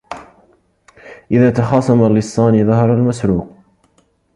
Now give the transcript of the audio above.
إذا تخاصم اللصان ظهر المسروق